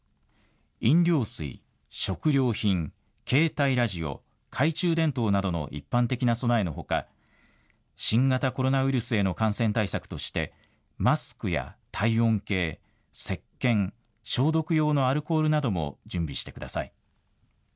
飲料水、食料品、携帯ラジオ、懐中電灯などの一般的な備えのほか新型コロナウイルスへの感染対策としてマスクや体温計、せっけん、消毒用のアルコールなども準備してください。